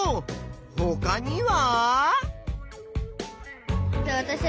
ほかには？